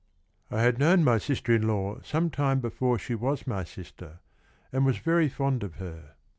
7 "I had known my sister in la w some time before she was my sister, and was very fond of her.